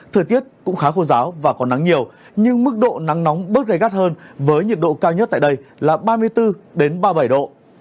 thời tiết cũng khá khô giáo và có nắng nhiều nhưng mức độ nắng nóng bớt gây gắt hơn với nhiệt độ cao nhất tại đây là ba mươi bốn ba mươi bảy độ